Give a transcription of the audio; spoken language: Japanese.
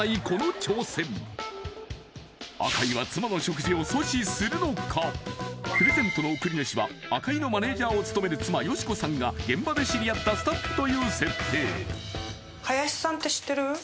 この挑戦赤井は妻の食事を阻止するのかプレゼントの送り主は赤井のマネージャーを務める妻・佳子さんが現場で知り合ったスタッフという設定林さんって知ってる？